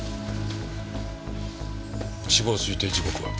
死亡推定時刻は？